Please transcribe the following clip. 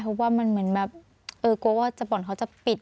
เพราะว่ามันเหมือนแบบเออกลัวว่าบ่อนเขาจะปิด